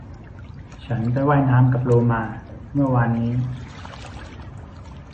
ฉันไปว่ายน้ำกับโลมาเมื่อวานนี้